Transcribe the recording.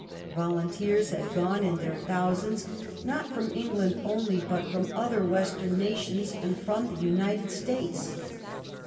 • Volunteers had gone in their thousands not from Eng land only, but from other Western nations and from the United States.